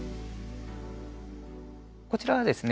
こちらはですね